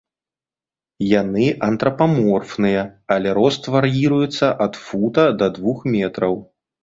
Яны антрапаморфныя, але рост вар'іруецца ад фута да двух метраў.